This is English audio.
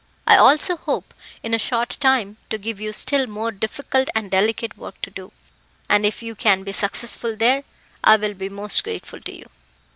I also hope, in a short time, to give you still more difficult and delicate work to do, and if you can be successful there, I will be most grateful to you.